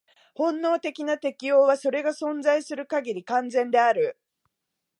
本能的な適応は、それが存在する限り、完全である。